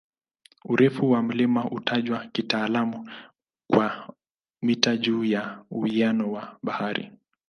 Urefu wa mlima hutajwa kitaalamu kwa "mita juu ya uwiano wa bahari".